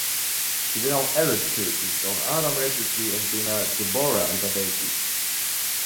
Sie will auch Alice töten, doch Adam rettet sie, indem er Deborah überwältigt.